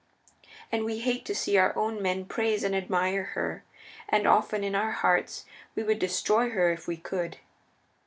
And we hate to see our own men praise and admire her, and often, in our hearts, we would destroy her if we could."